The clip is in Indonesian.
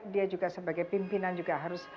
dia juga sebagai pimpinan juga harus